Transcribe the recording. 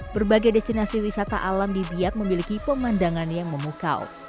berbagai destinasi wisata alam di biak memiliki pemandangan yang memukau